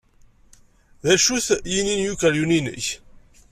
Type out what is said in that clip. D acu-t yini n ukeryun-nnek?